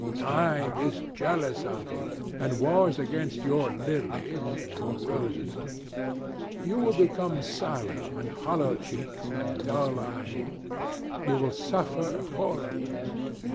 Time is jealous of you, and wars against your lilies and your roses. You will become sallow, and hollow cheeked, and dull eyed. You will suffer horribly....